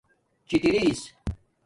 چِٹرس